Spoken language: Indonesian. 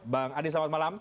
bang adi selamat malam